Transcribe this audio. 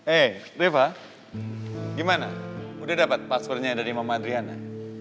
eh reva gimana udah dapat passwordnya dari mama adriana